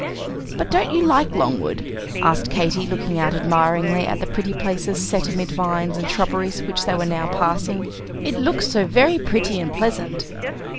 "But don't you like Longwood?" asked Katy, looking out admiringly at the pretty places set amid vines and shrubberies, which they were now passing. "It looks so very pretty and pleasant."